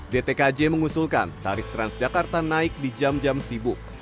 dtkj mengusulkan tarif transjakarta naik di jam jam sibuk